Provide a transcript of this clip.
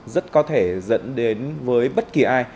rất có thể dẫn đến với bất kì ai